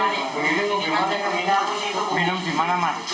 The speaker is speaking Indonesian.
minum di mana pak